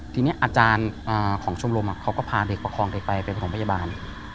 ทีนี้อาจารย์ของชมรมเขาก็พาเด็กประคองเด็กไปเป็นของพยาบาล